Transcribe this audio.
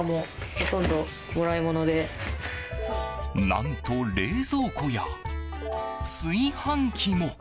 何と、冷蔵庫や炊飯器も。